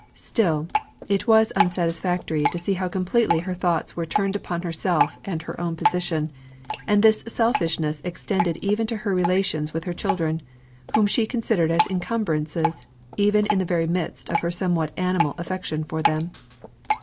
Still, it was unsatisfactory to see how completely her thoughts were turned upon herself and her own position, and this selfishness extended even to her relations with her children, whom she considered as incumbrances, even in the very midst of her somewhat animal affection for them.